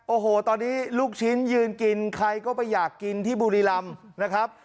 โอ้โหตอนนี้ลูกชิ้นยืนกินใครก็ไปอยากกินที่บุรีรำนะครับ